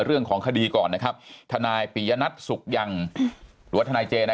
เรื่องของคดีก่อนนะครับทนายปียนัทสุขยังหรือว่าทนายเจ